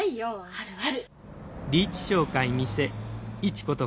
あるある。